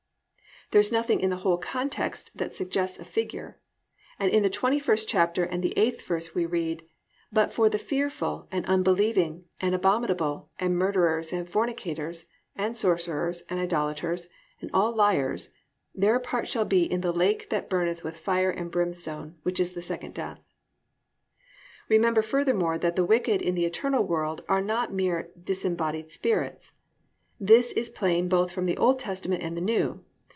"+ There is nothing in the whole context that suggests a figure. And in the 21st chapter and the 8th verse we read: +"But for the fearful, and unbelieving, and abominable, and murderers, and fornicators, and sorcerers, and idolators, and all liars, their part shall be in the lake that burneth with fire and brimstone; which is the second death."+ Remember furthermore that the wicked in the eternal world are not mere disembodied spirits. This is plain both from the Old Testament and the New.